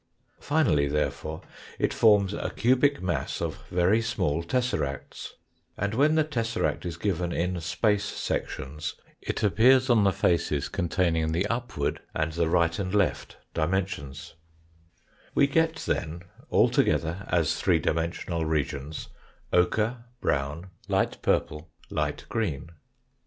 Finally, therefore, it forms a cubic mass of very small tesseracts, and when the tesseract is given in space sections it appears on the faces containing the upward an4 the right and left dimensions, THE SIMPLEST FOUR DIMENSIONAL SOLID 169 We get then altogether, as three dimensional regions, ochre, brown, light purple, light green.